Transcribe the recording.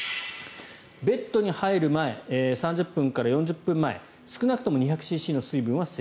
ベッドに入る前３０分から４０分前少なくとも２００ｃｃの水分を摂取。